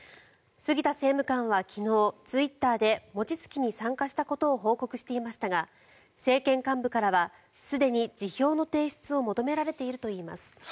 杉田政務官は昨日、ツイッターで餅つきに参加したことを報告していましたが政権幹部からはすでに辞表の提出を求められているといいます。